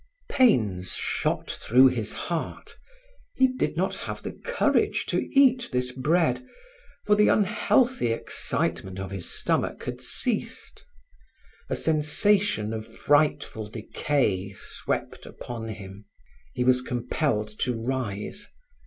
Pains shot through his heart. He did not have the courage to eat this bread, for the unhealthy excitement of his stomach had ceased. A sensation of frightful decay swept upon him. He was compelled to rise.